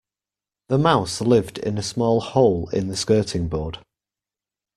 The mouse lived in a small hole in the skirting board